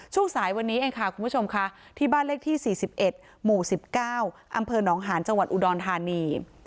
ช่วงสายวันนี้เองค่ะคุณผู้ชมค่ะที่บ้านเลขที่สี่สิบเอ็ดหมู่สิบเก้าอำเภอนองค์หาญจังหวัดอุดรฐานี